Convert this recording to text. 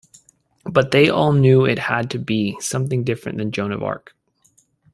But they all knew it had to be something different than Joan of Arc.